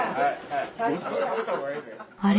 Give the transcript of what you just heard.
あれ？